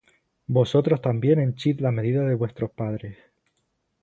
Vosotros también henchid la medida de vuestros padres!